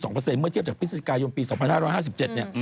เมื่อเทียบจากพฤศจิกายนปี๒๕๕๗เนี่ย